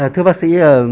thưa bác sĩ